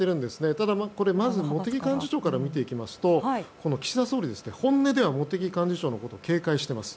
ただ茂木幹事長から見ていきますと岸田総理は本音では茂木幹事長のことを警戒しています。